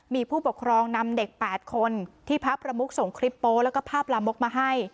มีผู้ปกครองนำเด็ก๘คนที่พระประมุกส่งคลิปโป๊แล้วก็ภาพลามกมาให้